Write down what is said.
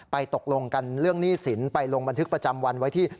ตกลงกันเรื่องหนี้สินไปลงบันทึกประจำวันไว้ที่